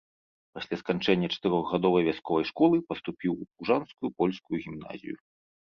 Пасля сканчэння чатырохгадовай вясковай школы паступіў у пружанскую польскую гімназію.